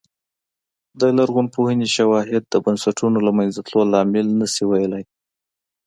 د لرغونپوهنې شواهد د بنسټونو له منځه تلو لامل نه شي ویلای